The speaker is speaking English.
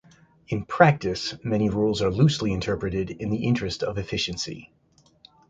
In practice, many rules are loosely interpreted in the interest of efficiency.